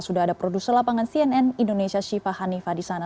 sudah ada produser lapangan cnn indonesia syifa hanifah di sana